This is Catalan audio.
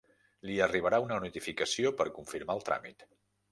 Li arribarà una notificació per confirmar el tràmit.